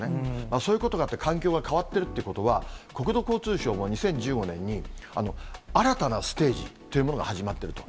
そういうことがあって、環境が変わっているということは、国土交通省も２０１５年に新たなステージというものが始まっていると。